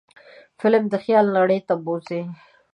فلم د خیال نړۍ ته بوځي